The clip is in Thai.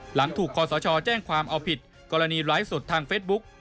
หลังถูกคอสชแจ้งความเอาผิดกรณีไลฟ์สดทางเฟซบุ๊ก